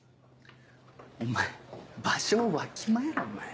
お前場所をわきまえろお前。